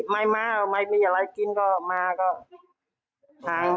ให้จะมาอีกมั้ยเนี่ยมาอยู่ไหน